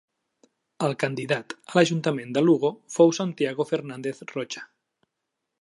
El candidat a l'Ajuntament de Lugo fou Santiago Fernández Rocha.